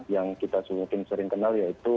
yang kita mungkin sering kenal yaitu